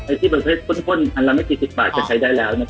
ที่ประเภทข้นอันละไม่กี่สิบบาทก็ใช้ได้แล้ว